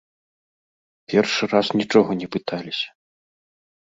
Першы раз нічога не пыталіся.